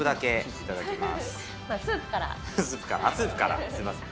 いただきます。